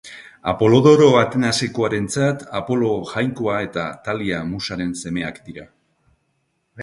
Apolodoro Atenasekoarentzat, Apolo jainkoa eta Talia musaren semeak dira.